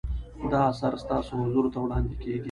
دا اثر ستاسو حضور ته وړاندې کیږي.